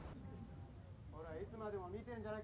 ほらいつまでも見てんじゃない。